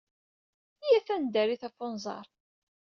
Iyyat ad neddarit ɣef unẓar.